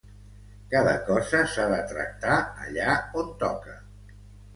Cada cosa s’ha de tractar allà on toca.